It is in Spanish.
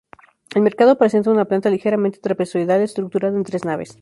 El mercado presenta una planta ligeramente trapezoidal estructurada en tres naves.